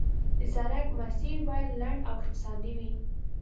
د سړک مسیر باید لنډ او اقتصادي وي